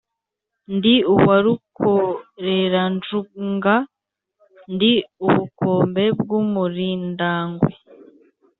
ndi uwa rukoreranjunga, ndi ubukombe bw'umurindangwe,